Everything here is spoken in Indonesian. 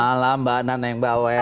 malam mbak nana yang bawel